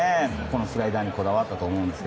このスライダーにこだわったと思います。